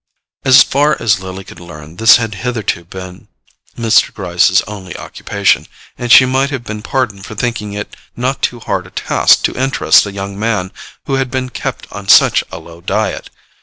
As far as Lily could learn, this had hitherto been Mr. Gryce's only occupation, and she might have been pardoned for thinking it not too hard a task to interest a young man who had been kept on such low diet.